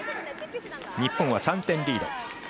日本は３点リード。